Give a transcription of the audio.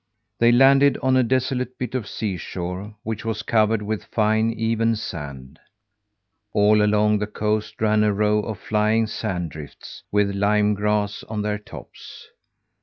They landed on a desolate bit of seashore, which was covered with fine, even sand. All along the coast ran a row of flying sand drifts, with lyme grass on their tops.